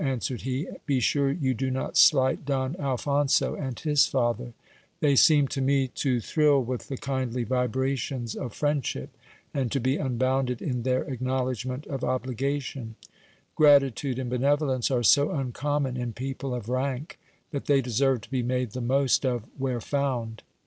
answered he — be sure you do not slight Don Alphonso and his father — they seem to me to thrill with the kindly vibrations of friendship, and to be unbounded in their acknowledgment of obligation : gratitude and benevolence are so uncommon in people of rank, that they deserve to be made the most of where found.